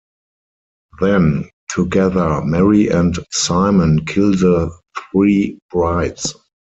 Then, together Mary and Simon kill the three brides.